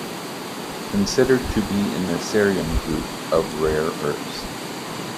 Considered to be in the cerium group of rare earths.